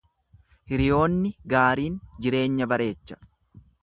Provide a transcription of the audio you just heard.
Hiriyoonni gaariin jireenya bareecha.